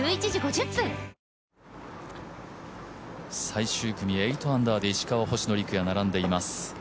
最終組、８アンダーで石川、星野陸也が並んでいます。